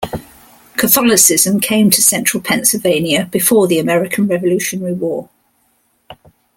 Catholicism came to Central Pennsylvania before the American Revolutionary War.